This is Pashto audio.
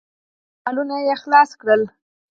مولونه يې خلاص کړل.